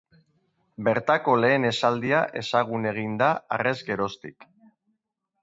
Bertako lehen esaldia ezagun egin da harrez geroztik.